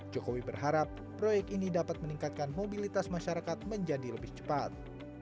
jokowi berharap proyek ini dapat meningkatkan mobilitas masyarakat menjadi lebih cepat